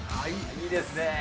いいですね。